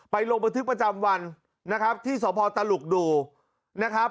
ไปลงบัติธิกประจำวันนะครับที่สมภอมณ์ตลกดูนะครับ